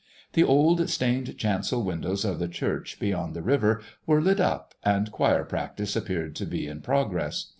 The old stained chancel windows of the church beyond the river were lit up and choir practice appeared to be in progress.